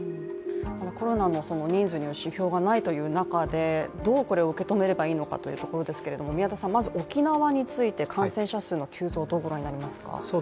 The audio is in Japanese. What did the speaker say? コロナの人数による指標がないという中でどうこれを受け止めればいいのかというところですけれどもまず沖縄について、感染者数の急増どうご覧になりますか？